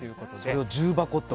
それを重箱と？